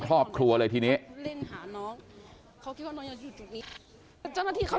เพื่อนบ้านเจ้าหน้าที่อำรวจกู้ภัย